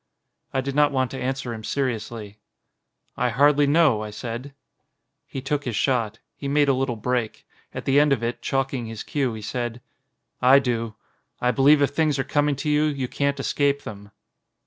I did not want to answer him seriously, "I hardly know," I said. He took his shot. He made a little break. At the end of it, chalking his cue, he said : "I do. I believe if things are coming to you, you can't escape them."